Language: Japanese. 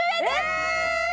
え！